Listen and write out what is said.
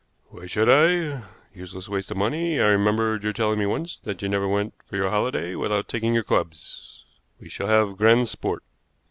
"Why should I? Useless waste of money. I remembered your telling me once that you never went for your holiday without taking your clubs. We shall have grand sport."